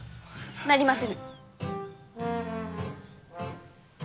なりませぬ！